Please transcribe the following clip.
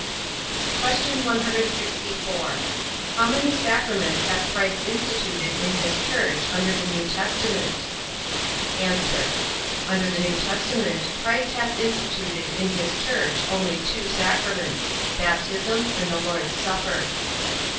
Q. 164. How many sacraments hath Christ instituted in his church under the New Testament? A. Under the New Testament Christ hath instituted in his church only two sacraments, baptism and the Lord's supper.